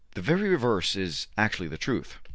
The very reverse is actually the truth.